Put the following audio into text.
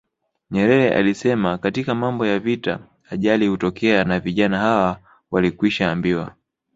Nyerere alisema katika mambo ya vita ajali hutokea na vijana hawa walikwishaambiwa